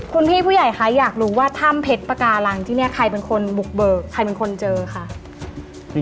คุณพี่ผู้ใหญ่คะอยากรู้ว่าถ้ำเพชรปาการังที่เนี่ยใครเป็นคนบุกเบิกใครเป็นคนเจอค่ะ